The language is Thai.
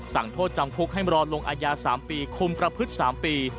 สั่งโทษจำคุกให้รอลงอายา๓ปีคุมประพฤติ๓ปี